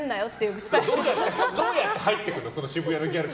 どうやって入ってくの？